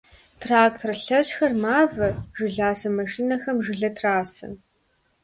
Трактор лъэщхэр мавэ, жыласэ машинэхэм жылэ трасэ.